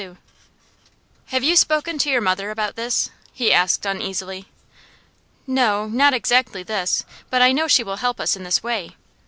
'Have you spoken to your mother about this?' he asked uneasily. 'No not exactly this. But I know she will help us in this way.